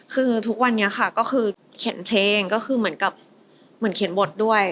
คือทุกวันนี้ค่ะก็คือเขียนเพลงก็คือเหมือนกับเหมือนเขียนบทด้วย